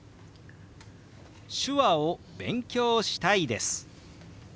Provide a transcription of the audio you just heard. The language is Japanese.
「手話を勉強したいです」。